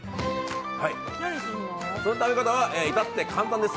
その食べ方はいたって簡単です。